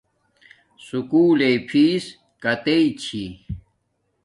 سکُول لݵ فس کاتݵ چھی